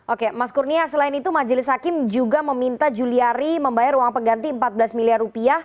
oke mas kurnia selain itu majelis hakim juga meminta juliari membayar uang pengganti empat belas miliar rupiah